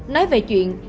nói về chuyện